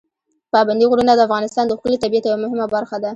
پابندي غرونه د افغانستان د ښکلي طبیعت یوه مهمه برخه ده.